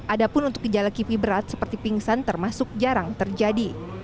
ada pun untuk gejala kipi berat seperti pingsan termasuk jarang terjadi